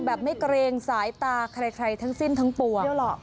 ไม่เกรงสายตาใครทั้งสิ้นทั้งปวง